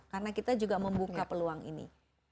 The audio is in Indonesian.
karena kita juga membuka peluang ini